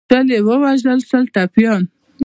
شل یې ووژل شل ټپیان.